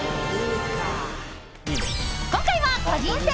今回は、個人戦。